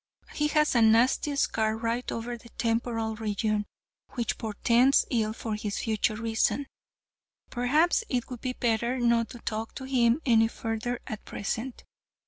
He has a nasty scar right over the temporal region, which portends ill for his future reason. Perhaps it would be better not to talk to him any further at present.